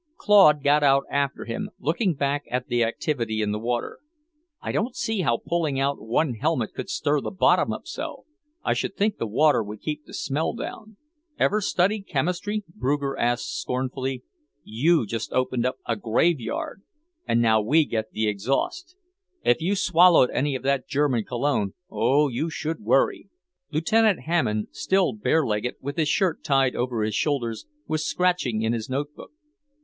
Claude got out after him, looking back at the activity in the water. "I don't see how pulling out one helmet could stir the bottom up so. I should think the water would keep the smell down." "Ever study chemistry?" Bruger asked scornfully. "You just opened up a graveyard, and now we get the exhaust. If you swallowed any of that German cologne Oh, you should worry!" Lieutenant Hammond, still barelegged, with his shirt tied over his shoulders, was scratching in his notebook.